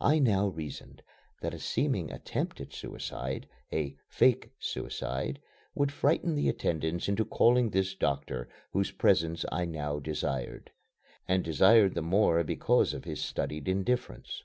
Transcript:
I now reasoned that a seeming attempt at suicide, a "fake" suicide, would frighten the attendants into calling this doctor whose presence I now desired and desired the more because of his studied indifference.